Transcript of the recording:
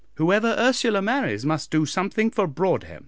Whoever Ursula marries must do something for Broadhem."